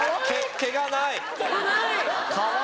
毛がない！